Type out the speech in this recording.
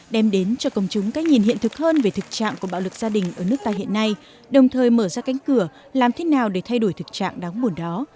đem đến cho công chúng cách nhìn hiện thực hơn về thực trạng của bạo lực gia đình ở nước ta hiện nay đồng thời mở ra cánh cửa làm thế nào để thay đổi thực trạng đáng buồn đó